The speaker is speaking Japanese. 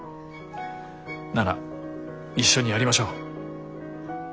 なら一緒にやりましょう。